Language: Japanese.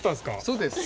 そうです。